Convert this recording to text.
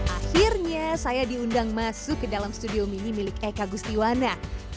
akhirnya saya diundang masuk ke dalam studio mini milik eka gustiwana